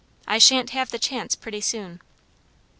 I sha'n't have the chance pretty soon."